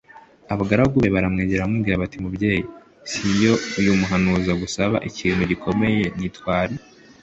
Abagaragu be baramwegera baramubwira bati mubyeyi s iyo uyu muhanuzi agusaba ikintu gikomeye ntiwari